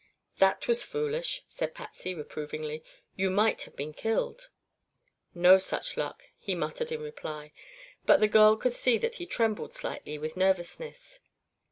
"That was foolish," said Patsy reprovingly. "You might have been killed." "No such luck," he muttered in reply, but the girl could see that he trembled slightly with nervousness.